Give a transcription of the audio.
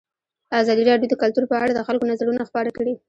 ازادي راډیو د کلتور په اړه د خلکو نظرونه خپاره کړي.